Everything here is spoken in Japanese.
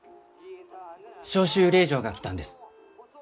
召集令状が来たんです。